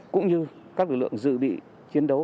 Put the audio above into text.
cũng như các lực lượng dự bị chiến đấu